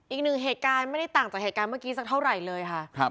อีกหนึ่งเหตุการณ์ไม่ได้ต่างจากเหตุการณ์เมื่อกี้สักเท่าไหร่เลยค่ะ